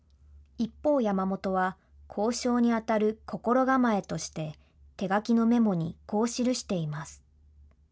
一方、山本は交渉に当たる心構えとして、手書きのメモにこう記しています。